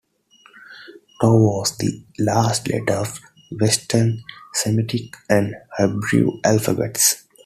"Taw" was the last letter of the Western Semitic and Hebrew alphabets.